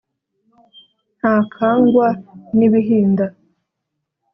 ntakangwa n’ibihinda